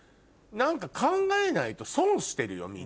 何か考えないと損してるよ